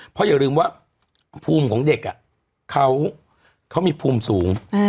เพราะอย่าลืมว่าภูมิของเด็กเขามีภูมิสูง